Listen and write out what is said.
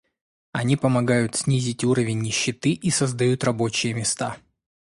Они помогают снизить уровень нищеты и создают рабочие места.